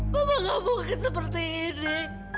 bapak gak mungkin seperti ini